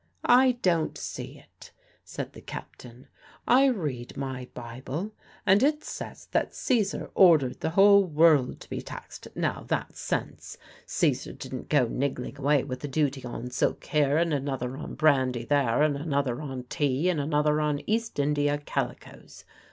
"I don't see it," said the captain. "I read my Bible, and it says that Caesar ordered the whole world to be taxed. Now that's sense. Caesar didn't go niggling away with a duty on silk here and another on brandy there and another on tea and another on East Indy calicoes.